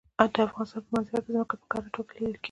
د افغانستان په منظره کې ځمکه په ښکاره توګه لیدل کېږي.